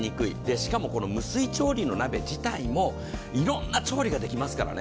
しかも無水調理の鍋自体もいろんな調理ができますからね。